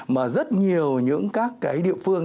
mà rất nhiều những các cái địa phương